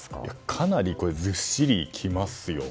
かなりずっしりきますよ。